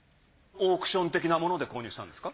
オークション的なもので購入したんですか？